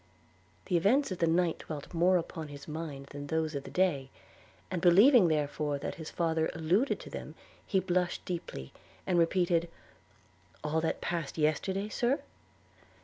The events of the night dwelt more upon his mind than those of the day; and believing therefore that his father alluded to them, he blushed deeply, and repeated, 'All that passed yesterday, Sir?'